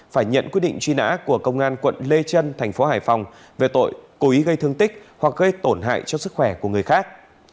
phải nhận quyết định truy nã của công an quận lê trân thành phố hải phòng về tội cố ý gây thương tích hoặc gây tổn hại cho sức khỏe của người khác